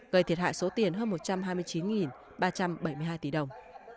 gây thiệt hại số tiền hơn một trăm hai mươi chín ba trăm bảy mươi hai tỷ đồng